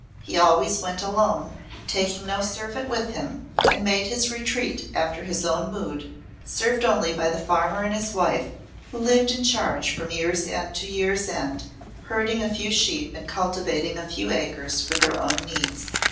He always went alone, taking no servant with him, and made his retreat after his own mood, served only by the farmer and his wife who lived in charge from year's end to year's end, herding a few sheep and cultivating a few acres for their own needs.